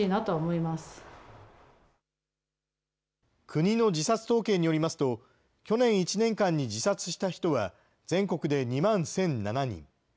国の自殺統計によりますと、去年１年間に自殺した人は、全国で２万１００７人。